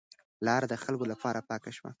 لار د خلکو لپاره پاکه شوه.